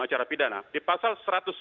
acara pidana di pasal satu ratus sebelas